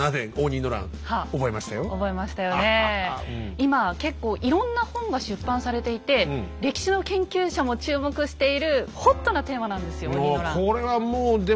今結構いろんな本が出版されていて歴史の研究者も注目しているホットなテーマなんですよ